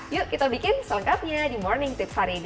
yuk kita bikin selengkapnya di morning tips hari ini